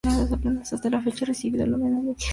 Hasta la fecha ha recibido al menos diez galardones.